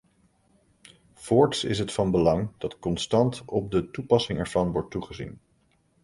Voorts is het van belang dat constant op de toepassing ervan wordt toegezien.